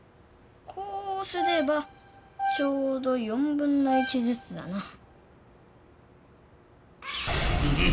こうすればちょうど1/4ずつだな。